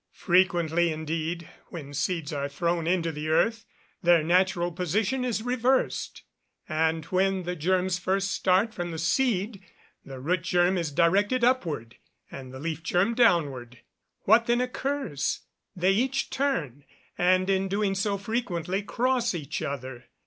Frequently, indeed, when seeds are thrown into the earth, their natural position is reversed, and when the germs first start from the seed, the root germ is directed upward and the leaf germ downward. What then occurs? They each turn, and, in doing so, frequently cross each other.